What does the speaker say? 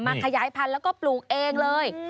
ขยายพันธุ์แล้วก็ปลูกเองเลย